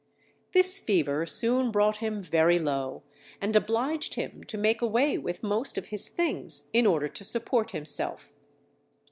This fever soon brought him very low, and obliged him to make away with most of his things in order to support himself.